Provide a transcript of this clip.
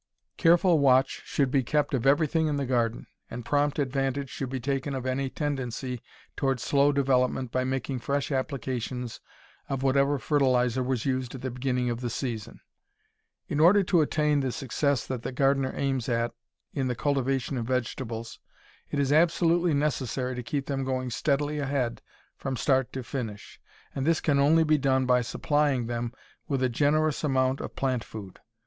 Careful watch should be kept of everything in the garden, and prompt advantage should be taken of any tendency toward slow development by making fresh applications of whatever fertilizer was used at the beginning of the season. In order to attain the success that the gardener aims at in the cultivation of vegetables it is absolutely necessary to keep them going steadily ahead from start to finish, and this can only be done by supplying them with a generous amount of plant food.